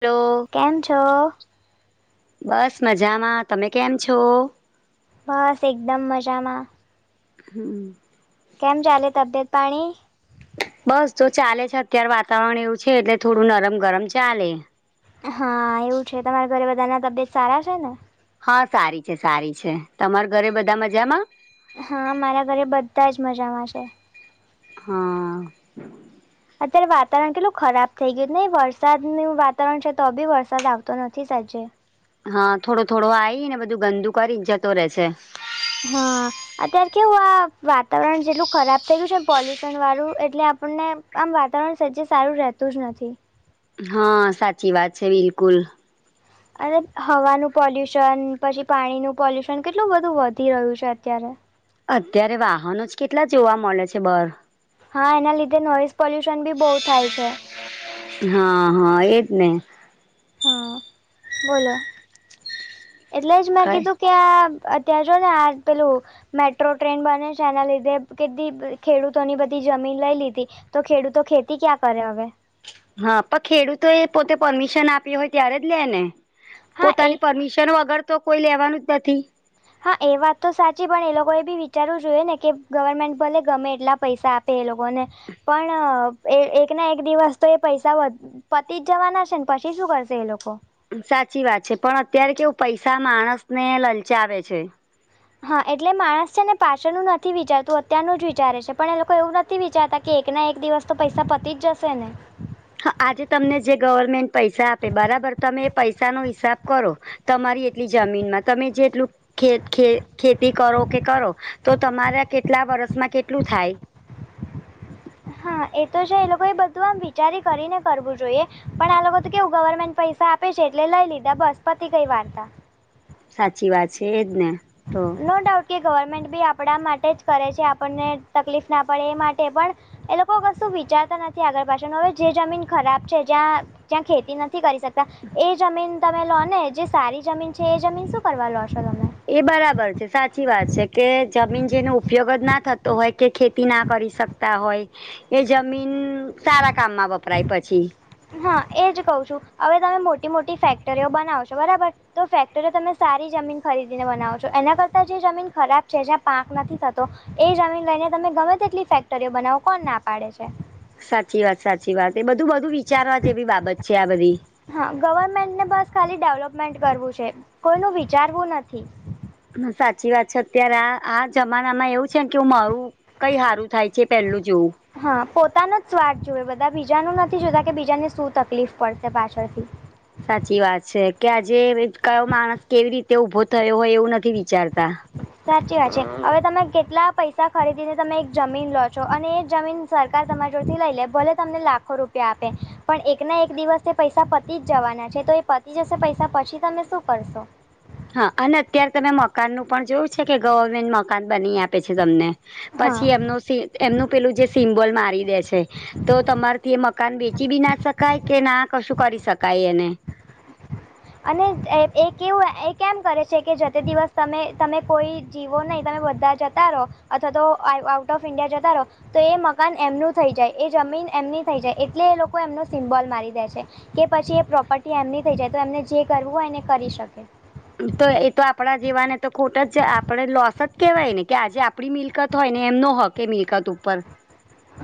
Hello કેમ છો? બસ મજામાં તમે કેમ છો? બસ એકદમ મજામાં. હમ. કેમ ચાલે તબિયત પાણી? બસ તો ચાલે છે અત્યારે વાતાવરણ એવું છે એટલે થોડું નરમ ગરમ ચાલે. હા એવું છે તમારા ઘરે બધા ના તબિયત સારા છે ને? હા સારી છે સારી છે તમાર ઘરે બધા મજામાં? હા મારા ઘરે બધા જ મજામાં છે. હા. અત્યારે વાતાવરણ કેટલું ખરાબ થઈ ગયું નય વરસાદનું વાતાવરણ છે તો બી વરસાદ આવતો નથી સાચે. હા થોડો થોડો આવીને બધું ગંદુ કરી ને જતો રહેેશે. હા. અત્યારે કેવું આ વાતાવરણ જેટલું ખરાબ થઈ ગયું છેને પોલ્યુશન વાળું એટલે આપણને. આમ વાતાવરણ સજ્જ સારું રહેતું જ નથી. હા સાચી વાત છે બિલકુલ અને હવાનું પોલ્યુશન પછી પાણીનું પોલ્યુશન કેટલું બધું વધી રહ્યું છે અત્યારે. અત્યારે વાહનો જ કેટલા જોવા મળે છે બહાર. હા એના લીધે નોઈઝ પોલ્યુશન બી બહુ થાય છે. હા હા એજ ને. હા બોલો એટલે જ મેં કઈ કીધું. કે આ અત્યારે જો ને આજ પેલું. મેટ્રો ટ્રેન બને છે એના લીધે કેટલી ખેડૂતોની બધી જમીન લઈ લીધી. તો ખેડૂતો ખેતી ક્યાં કરે હવે. હા પણ ખેડૂતો એ પોતે પરમિશન આપ્યું હોય ત્યારે જ લે ને. હા એ પોતાની પરમિશન વગર તો કોઈ લેવાનું જ નથી. હા એ વાત તો સાચી પણ, એ લોકોએ બી વિચારવું જોઈએ ને કે ગવર્મેન્ટ ભલે ગમે એટલા પૈસા આપે. તે લોકો ને પણ એક ના એક દિવસ તો એ પૈસા વધ પતિ જ જવાના હશે ને પછી શું કરશે એ લોકો. સાચી વાત છે પણ અત્યારે કેવું પૈસા માણસ ને લલચાવે છે. હા એટલે માણસ છે ને પાછળનું નથી વિચારતું અત્યારનું જ વિચારે છે પણ એ લોકો એવું નથી. નથી વિચારતા કે એક ના એક દિવસ તો પૈસા પતી જ જશે ને. હા આજે તમને જે ગવર્મેન્ટ પૈસા આપે બરાબર તમે એ પૈસાનો હિસાબ કરો. તમારી એટલી જમીનમાં તમે જેટલું. ખે ખે ખેતી કરો કે કરો તો તમારા કેટલા વર્ષમાં કેટલું થાય. હા એ તો છે એ લોકો એ બધું આમ વિચારી કરીને કરવું જોઈએ પણ આ લોકો તો કેવું ગવર્મેન્ટ પૈસા આપે. આપે છે એટલે લઈ લીધા બસપતિ ગઈ વાર્તા. સાચી વાત છે એજ ને તો. નો ડાઉટ કે ગવર્મેન્ટ બી આપણા માટે જ કરે છે આપણને તકલીફ ના પડે એ માટે પણ. એ લોકો કશું વિચારતા નથી આગળ પાછાનું હવે જે જમીન ખરાબ છે. જ્યાં જ્યાં ખેતી નથી કરી શકતા એ જમીન તમે લો ને જે સારી જમીન છે એ જમીન શું કરવા લો છો તમે એ બરાબર છે સાચી વાત છે કે જમીન જેનો ઉપયોગ જ ના થતો હોય કે ખેતી ના કરી શક. [unintelligible] હોય એ જમીન સારા કામમાં વપરાય પછી. હા એજ કઉ છું હવે તમે મોટી મોટી ફેક્ટરીઓ બનાવોશો બરાબર. તો ફેક્ટરી તમે સારી જમીન ખરીદીને બનાવો છો એના કરતા જે જમીન ખરાબ છે જ્યાં પાંક નથી થતો. એ જમીન લઈને તમે ગમે તેટલી ફેક્ટરીઓ બનાવો કોણ ના પાડે છે. સાચી વાત સાચી વાત એ બધું બધું વિચારવા જેવી બાબત છે. આ બધી. હા ગવર્મેન્ટને બસ ખાલી ડેવલપમેન્ટ કરવું છે કોઈનું વિચારવું નથી. સાચી વાત છે અત્યારે આ આ જમાનામાં એવું છે કે હું મારું. કઈ હારું થાય છે પેલું જોવું. હા પોતાનો જ સ્વાથ જોવે બધા બીજાનું નથી જોતા કે બીજાને શું તકલીફ પડશે પાછળથી. સાચી વાત છે કે આજે ક [unintelligible] યો માણસ કેવી રીતે ઊભો થયો હોય એવું નથી વિચારતા. સાચી વાત છે હવે તમે કેટલા પૈસા ખરીદીને તમે એક જમીન લો છો અને એ જમીન. સરકાર તમારી જોડથી લઈ લે ભલે તમને લાખો રૂપિયા આપે પણ એક ના એક દિવસ પૈસા પતિ જ જવાના છે તો એ પતિ જશે પૈસા પછી તમે શું કરશો? હા અને અત્યારે તમે મકાનનું પણ જોયું છે કે ગવર્મેન્ટ મકાન બની આપે છે તમને. હા પછી એમનું સી એમનું પેલું જે સિમ્બોલ મારી દે છે. તો તમાર થી એ મકાન વેચી બી ના શકાય કે ના કશું કરી શકાય એને અને એ કેવું એ કેમ કરે છે કે જતે દિવસ તમે તમે કોઈ જીવો નહીં તમે બધા જ જતારો અથવા તો આઉટ ઓફ ઇન્ડિયા જતા રહો. તો એ મકાન એમનું થઈ જાય એ જમીન એમની થઈ જાય એટલે એ લોકો એમનો સિમ્બોલ મારી દે છે. કે પછી એ પ્રોપર્ટી એમની થઇ જાય તો એમને જે કરવું હોય એને કરી શકે. તો એ તો આપણા જીવાને તો ખોટ જ આપણે લોસ જ કેહેવાય ને કે આજે. આપણી મિલકત હોય ને એમનો હક મિલકત ઉપર.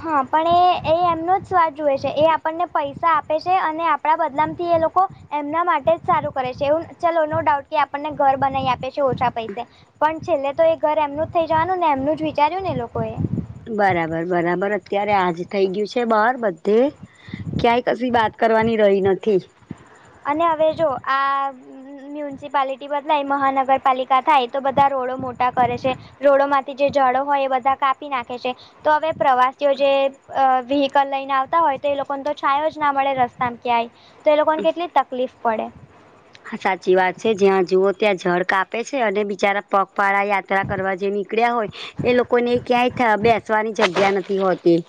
હા પણ એ એમનો જ સ્વાદ જુવે છે. એ આપણને પૈસા આપે છે. અને. આપણા બદલામથી એ લોકો એમના માટે જ સારું કરે છે એવું ચાલો નો ડાઉટ કે આપણને ઘર બનાવી આપે. ઓછા પૈસે પણ છેલ્લે તો એ ઘર એમનું જ થઇ જવાનું ને એમનું જ વિચાર્યું ને લોકો એ. બરાબર બરાબર અત્યારે આજ થઇ ગયું છે બાર બધે. ક્યાંય કશી બાત કરવાની રહી નથી. અને હવે જો આ. મ્યુનિસિપાલિટી બદલાય મહાનગરપાલિકા થાય તો બધા રોડો મોટા કરે છે. રોડો માંથી જે ઝાડો હોય એ બધા કાપી નાખે છે. તો હવે પ્રવાસીઓ જે વ્હીકલ લઈને આવતા હોય તો એ લોકોને તો છાયો જ ના મળે રસ્તામાં ક્યાંય. તો એલોકોને કેટલી તકલીફ પડે. હા સાચી વાત છે જ્યાં જુઓ ત્યાં ઝાળ કાપે છે. અને બિચારા પગપાળા યાત્રા કરવા જે નીકળ્યા હોય. એ લોકોને ક્યાંય બેસવાની જગ્યા નથી હોતી.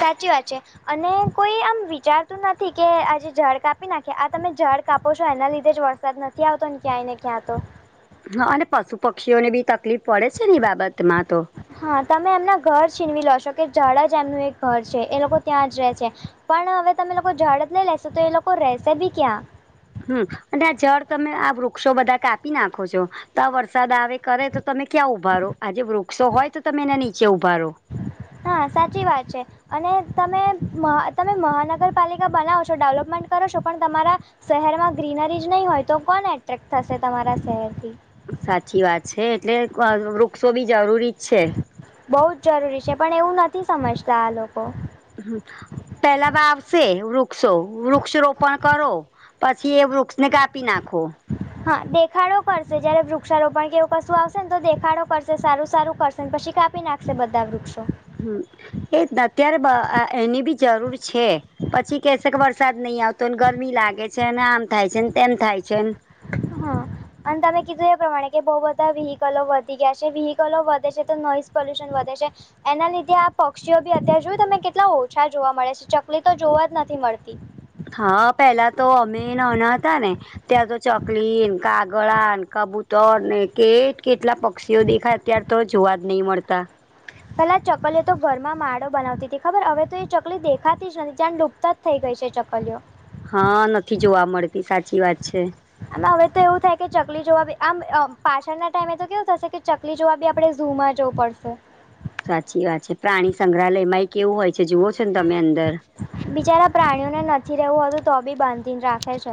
સાચી વાત છે. અને કોઈ આમ વિચારતું નથી કે આજે જળ કાપી નાખે આ તમે જળ કાપો છો એના લીધે જ વ. દ નથી આવતો ને ક્યાંય ને ક્યાંતો. હા અને પશુ પક્ષીઓને બી તકલીફ પડે છે ને એ બાબતમાં તો. હા તમે એમના ઘર છીનવી લો છો કે ઝડાજ એમનું એક ઘર છે એ લોકો ત્યાં જ રહે છે. પણ હવે તમે લોકો ઝાડ જ નહીં લેશો તો એ લોકો રહેશે બી ક્યાં. હમ અને આ જળ તમે આ વૃક્ષો બધા કાપી નાખો છો તો આ વરસાદ આવે કરે તો. તમે ક્યાં ઉઊભા રહો આજે વૃક્ષો હોય તો તમે એના નીચે ઉભાારો. હા સાચી વાત છે અને તમે મહા તમે મહાનગરપાલિકા બનાવો છો ડેવલપમેન્ટ કરો છો પણ તમારા શહેરમાં ગ્રીનરી જ નહીં હોય તો કોણ એટ્રેક્ટ થશે તમારા શહેરથી. સાચી વાત છે એટલે વૃક્ષો બી જરૂરી. છે. બહુ જ જરૂરી છે પણ એવું નથી સમજતા આ લોકો. હ પેલા વાવશે વૃક્ષો વૃક્ષ રોપણ કરો પછી એ વૃક્ષને કાપી નાખો હા દેખાડો કરશે જયારે વૃક્ષારોપણ કેવું કશું આવશે ને તો દેખાડો કરશે સારું સારું કરશે પછી કાપી નાખશે બધા વૃક્ષો હમ એ અત્યારે અ એની બી જરૂર છે પછી કેશે વરસાદ નહીં આવતો ગરમી લાગે છે અને આમ થાય છે ને તેમ થાય છે હા અને તમે કીધું એ પ્રમાણે કે બહુ બધા વ્હીિકલો વધી ગયા છે વ્હીિકલો વધે છે તો નોઈઝ પોલ્યુશન વધે છે એના લીધે આ પક્ષીઓ બી અત્યારે જોય તને કેટલા ઓછા જોવા મળે છે ચકલી તો જોવા જ નથી મળતી હા પેલા તો અમે નાના હતા ને ત્યાં તો ચકલી કાગળા કબૂતર ને કેટ કેટલા પક્ષીઓ દેખાય તાર તો જોવા જ નહીં મળતા પેલા ચકલી તો ઘરમાં માળો બનાવતી હતી ખબર હવે તો એ ચકલી દેખાતી જ નથી જ્યા ડૂબતા થઈ ગઈ છે ચકલીઓ હા નથી જોવા મળતી સાચી વાત છે આમ હવે તો એવું થાય કે ચકલી જોવા બી આમ અ પાછળના ટાઈમે તો કેવું થશે કે ચકલી જોવા બી આપણે ઝૂમ જ જવું પડશે સાચી વાત છે પ્રાણી સંગ્રહાલયમાં એક કેવું હોય છે જુઓ છો ને તમે અંદર બિચારા પ્રાણીઓને નથી રહેવું હતું તો બી બાધીને રાખે છે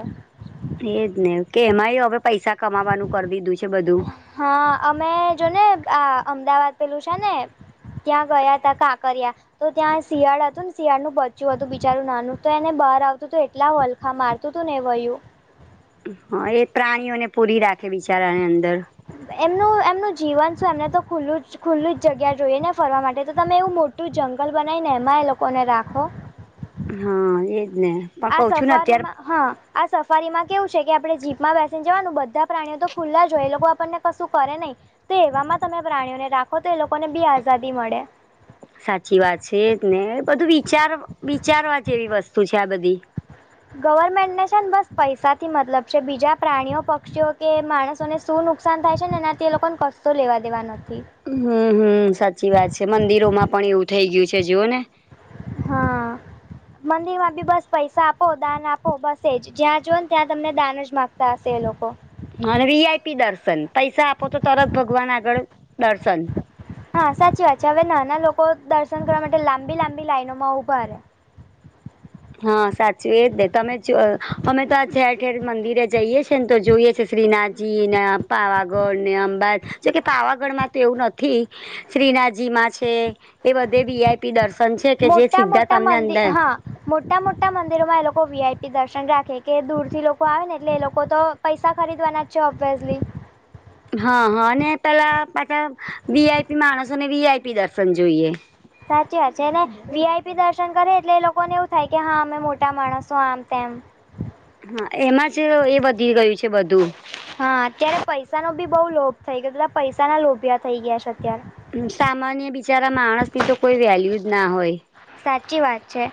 એજ ને કે એમાંય હવે પૈસા કમાવાનું કરી દીધું છે બધું હા અમે જો ને આ અમદાવાદ પેલું છે ને ત્યાં ગયા તા કાંકરિયા તો ત્યાં શિયાળ હતું ને શિયાળ નું બચું હતું બિચારું નાનું તો એને બહાર આવતું તો એટલા હ હા મારતું હતું નેંવાયું હા એ પ્રાણીઓને પૂરી રાખે બિચારાની અંદર એમનું એમનું જીવન શું એમને તો ખુલ્લું જ ખુલ્લું જ જગ્યા જોઈએ ને ફરવા માટે તો તમે એવું મોટું જંગલ બનાવીને એમાં એ લોકોને રાખો હા એ જને આ સફારીમાં હા આ સફારીમાં કેવું છે કે આપણે જીપમાં બેસી જવાનું બધા પ્રાણીઓ તો ખુલ્લા જ હોએ એ લોકો આપણને કશું કરે નહીં તો એવામાં તમે પ્રાણીઓને રાખો તો એ લોકોને બી આઝાદી મળે સાચી વાત છે ને બધું વિચાર વિચારવા જેવી વસ્તુ છે આ બધી ગવર્મેન્ટને છે ને બસ પૈસાથી મતલબ છે બીજા પ્રાણીઓ પક્ષીઓ કે માણસોને શું નુકસાન થાય છે ને એનાથી એ લોકોને કશો લેવા દેવા નથી હમ હમ સાચી વાત છે મંદિરોમાં પણ એવું થઈ ગયું છે જુઓ ને હા મંદિર માં બી બસ પૈસા આપો દાન આપો બસ જ જ્યાં જો ને ત્યાં તમને દાન જ માગતા હશે એ લોકો અને વીઆઈપી દર્શન પૈસા આપો તો તરત ભગવાન આગળ દર્શન હા સાચી વાત છે હવે નાના લોકો દર્શન કરવા માટે લાંબી લાંબી લાઈનો માં ઊભા હા સાચું એજ ને તમે અમે તો આ ઠેર ઠેર મંદિરે જઈએ છેએ ને તો જોઈએ છે શ્રીનાથ જી ને પાવાગઢ ને અંબાજી જે કે પાવાગઢ માં તો એવું નથી શ્રીનાથજી માં છે એ બધે વીઆઈપી દર્શન છે કે જે મોટા સીધા મોટા તમને મંદિર અંદર હા મોટા મોટા મંદિરોમાં એ લોકો વીઆઈપી દર્શન રાખે કે દૂર થી લોકો આવે ને એટલે એ લોકો તો પૈસા ખરીદવાના છે ઓબ્વિયસ હા હા પેલા પાછા વીઆઈપી માણસોને વીઆઈપી દર્શન જોઈએ સાચી વાત છે વીઆઈપી દર્શન કરે એટલે એ લોકોને એવું થાય કે હા અમે મોટા માણસો આમ તેમ હા એમાં જ એ વધી ગયું છે બધું. હા અત્યારે પૈસા ન બી બહુ લોભ થઇ ગયો બધા પૈસાના લોભિયા થઇ ગયા છે અત્યારે. સામાન્ય બિચારા માણસ ની તો કોઈ વેલ્યુ જ ના હોય. સાચી વાત છે.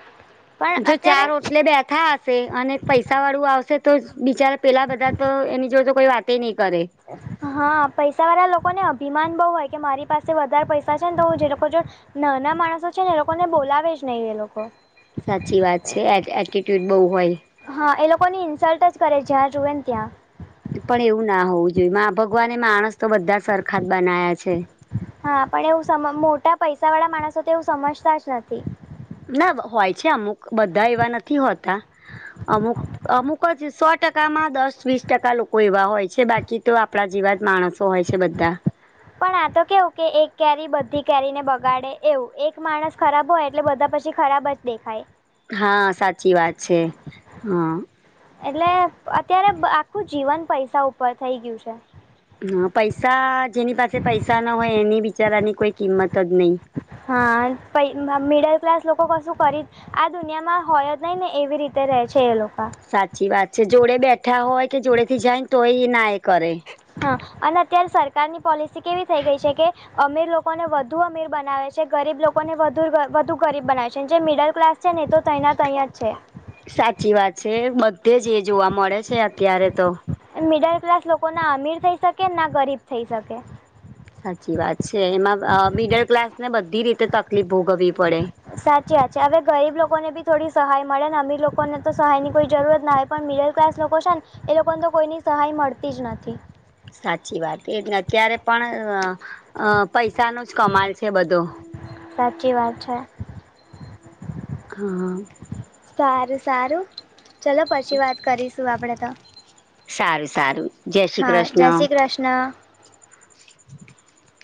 પણ જો ચાર અત્યારે ઓટલે બેઠા હોત અને પૈસા વાળું આવશે તો જ બિચારા પેલા બધા તો એની જોડે તો કોઈ વાતે નહી કરે. હા પૈસા વાળા લોકોને અભિમાન બહુ હોય કે મારી પાસે વધારે પૈસા છે ને તો હું જે લોકો ને નાના માણસો છે ને એ લોકોને બોલાવે જ નહી એ લોકો. સાચી વાત છે એટિ એટિટ્યુડ બહુ હોય. હા એ લોકોની ઇન્સલ્ટ જ કરે જ્યાં જુએ ને ત્યાં. પણ એવું ના હોવું જોઈએ મા ભગવાને માણસ તો બધા સરખા બનાયા છે. હા પણ એવું સમ મોટા પૈસાવાળા માણસો તો એવું સમજતા જ નથી. ના હોય છે અમુક બધા એવા નથી હોતા અમુક અમુક જ સો ટકામાં દસ વીસ ટકા લોકો એવા હોય છે બાકી તો આપણા જેવા જ માણસો હોય છે બધા. પણ આ તો કેવું કે એક કેરી બધી કેરીને બગાડે એવું એક માણસ ખરાબ હોય એટલે બધા પછી ખરાબ જ દેખાય. હા સાચી વાત છે હા. એટલે અત્યારે આખું જીવન પૈસા ઉપર થઈ ગયું છે. હ પૈસા જેની પાસે પૈસા ન હોય એની બિચારાની કોઈ કિંમત જ નહી. હા પઈ મિડલ ક્લાસ લોકો મા શું આ દુનિયામાં હોય જ નહી ને એવી રીતે રહે છે એ લોકો. સાચી વાત છે જોડે બેઠા હોય કે જોડે થી જાયને તોય એ ના એ કરે. હા અને અત્યારે સરકારની પોલિસી કેવી થઈ ગઈ છે કે અમીર લોકોને વધુ અમીર બનાવે છે ગરીબ લોકો ને વધુ ગ વધુ ગરીબ બનાવે છે જે મિડલ ક્લાસ છે ને તો તૈ નાતઈ જ છે. સાચી વાત છે એ બધે જ એ જોવા મળે છે અત્યારે તો. છે મિડલ ક્લાસ લોકો ના અમીર થઈ શકે ના ગરીબ થઈ શકે. સાચી વાત છે એમાં મિડલ ક્લાસને બધી રીતે તકલીફ ભોગવવી પડે. સાચી વાત છે હવે ગરીબ લોકોને બી થોડી સહાય મળે ને અમીર લોકો ને તો સહાય ની કોઈ જરૂરત ના હોય. પણ મિડલ ક્લાસ લોકો છે ને એ લોકોને તો કોઈની સહાય મળતી જ નથી. સાચી વાત એ અત્યારે પણ પૈસાનો જ કમાલ છે બધો. સાચી વાત છે. હા હા. સારું સારું ચલો પછી વાત કરીશું આપડે. સારું સારું જય શ્રી હા જય શ્રી કૃષ્ણ. કૃષ્ણ. [inaudible]